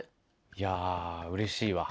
いやうれしいわ。